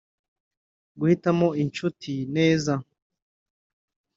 Guhitamo inshuti neza